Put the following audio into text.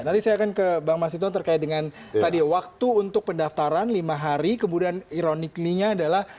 nanti saya akan ke bang mas hinton terkait dengan tadi waktu untuk pendaftaran lima hari kemudian ironicly nya adalah